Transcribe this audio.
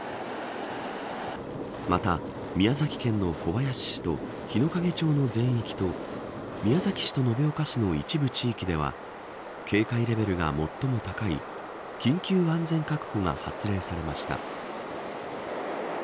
また、宮崎県の小林市と日之影町の全域と宮崎市と延岡市の一部地域では警戒レベルが最も高い緊急安全確保が発令されました。